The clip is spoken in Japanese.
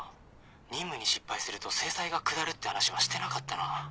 任務に失敗すると制裁が下るっていう話はしてなかったな。